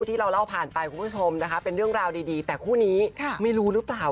ที่เราเล่าผ่านไปคุณผู้ชมนะคะเป็นเรื่องราวดีแต่คู่นี้ไม่รู้หรือเปล่า